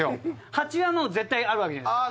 「ハチ」はもう絶対あるわけじゃないですか。